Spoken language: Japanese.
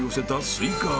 スイカ頭。